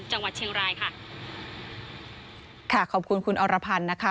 จังหวัดเชียงรายค่ะค่ะขอบคุณคุณอรพันธ์นะคะ